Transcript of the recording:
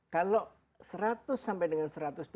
kalau seratus sampai dengan satu ratus dua puluh